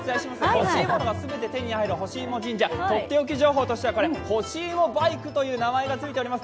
欲しいものが全て手に入るほしいも神社、とっておき情報としてはほしいもバイクという名前がついております。